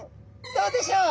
どうでしょう？